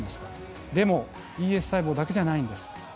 でもＥＳ細胞だけじゃないんです。